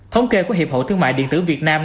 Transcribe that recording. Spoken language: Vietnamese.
thống kê của hiệp hội thương mại điện tử việt nam